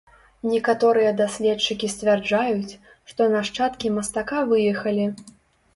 Некаторыя даследчыкі сцвярджаюць, што нашчадкі мастака выехалі.